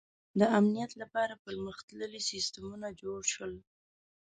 • د امنیت لپاره پرمختللي سیستمونه جوړ شول.